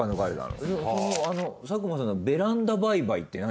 佐久間さんが「ベランダバイバイ」って何？